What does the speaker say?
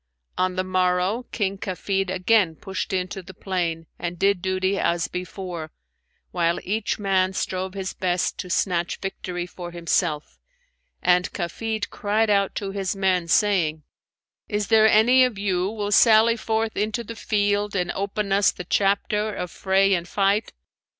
On the morrow King Kafid again pushed into the plain and did duty as before, while each man strove his best to snatch victory for himself; and Kafid cried out to his men, saying, 'Is there any of you will sally forth into the field and open us the chapter of fray and fight?'